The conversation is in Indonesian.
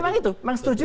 betul memang itu